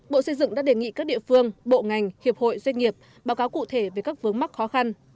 bộ xây dựng đã đề nghị các địa phương bộ ngành hiệp hội doanh nghiệp báo cáo cụ thể về các vướng mắc khó khăn